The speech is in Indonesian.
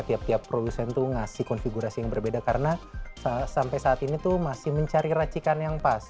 tiap tiap produsen tuh ngasih konfigurasi yang berbeda karena sampai saat ini tuh masih mencari racikan yang pas